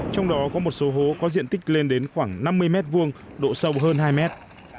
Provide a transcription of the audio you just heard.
trong đó có một số hố có diện tích lên đến khoảng năm mươi m hai độ sâu hơn hai mét